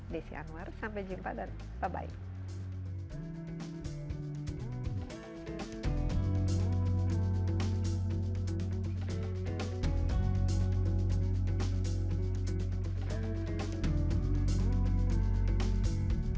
desy anwar sampai jumpa dan bye bye